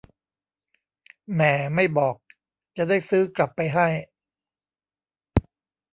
แหม่ ไม่บอก จะได้ซื้อกลับไปให้